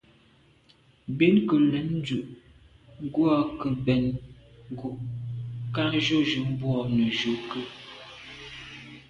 Bin ke’ lèn ndù ngwa ke mbèn ngù kà jujù mbwô nejù ké.